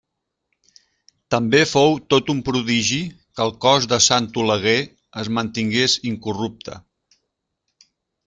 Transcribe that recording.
També fou tot un prodigi que el cos de Sant Oleguer es mantingués incorrupte.